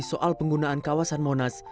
soal penggunaan kawasan monas